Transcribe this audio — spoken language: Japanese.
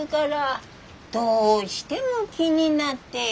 どうしても気になって。